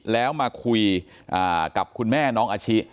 แล้วมาคุยกับคุณแม่น้องอาชิ